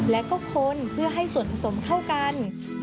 และก็คนเพื่อให้ส่วนผสมเข้ากัน